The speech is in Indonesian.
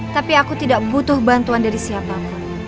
tapi aku tidak butuh bantuan dari siapa pun